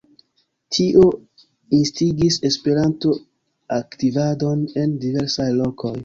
Tio instigis Esperanto-aktivadon en diversaj lokoj.